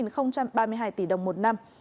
khoảng bốn ba mươi hai tỷ đồng một năm